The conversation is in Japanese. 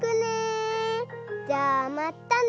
じゃあまったね！